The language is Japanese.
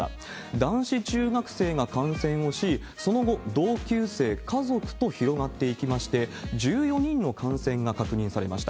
男子中学生が感染をし、その後、同級生、家族と広がっていきまして、１４人の感染が確認されました。